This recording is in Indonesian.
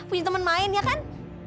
punya teman main ya kan